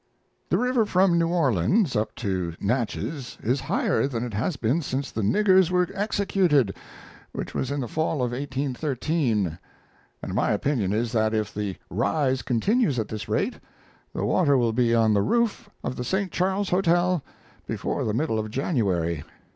The river from New Orleans up to Natchez is higher than it has been since the niggers were executed (which was in the fall of 1813) and my opinion is that if the rise continues at this rate the water will be on the roof of the St. Charles Hotel before the middle of January.